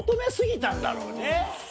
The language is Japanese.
んだろうね。